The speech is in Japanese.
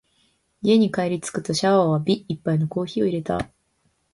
家に帰りつくとシャワーを浴び、一杯のコーヒーを淹れた。